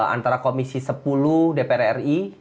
antara komisi sepuluh dpr ri